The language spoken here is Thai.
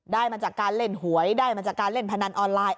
มาจากการเล่นหวยได้มาจากการเล่นพนันออนไลน์